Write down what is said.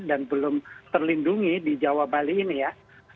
dan belum terlindungi di jawa bali ini ya